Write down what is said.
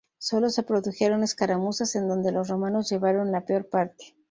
Sólo se produjeron escaramuzas en donde los romanos llevaron la peor parte.